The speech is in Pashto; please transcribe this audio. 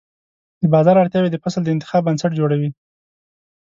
د بازار اړتیاوې د فصل د انتخاب بنسټ جوړوي.